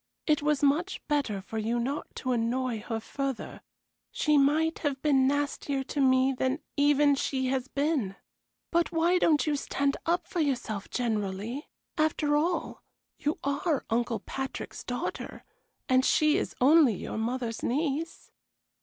It was much better for you not to annoy her further; she might have been nastier to me than even she has been. But why don't you stand up for yourself generally? After all, you are Uncle Patrick's daughter, and she is only your mother's niece."